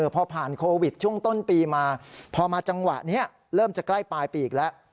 พอผ่านโควิดช่วงต้นปีมาพอมาจังหวะนี้เริ่มจะใกล้ปลายปีอีกแล้ว